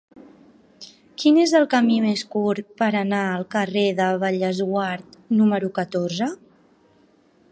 Quin és el camí més curt per anar al carrer de Bellesguard número catorze?